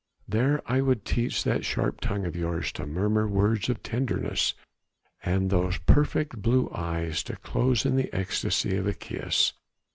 There I would teach that sharp tongue of yours to murmur words of tenderness and those perfect blue eyes to close in the ecstasy of a kiss.